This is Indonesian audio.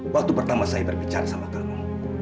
waktu pertama saya berbicara sama kamu